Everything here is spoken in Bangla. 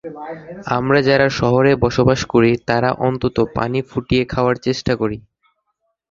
আমরা যারা শহরে বসবাস করি তারা অন্তত পানি ফুটিয়ে খাওয়ার চেষ্টা করি।